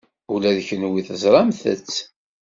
Ula d kenwi teẓramt-tt.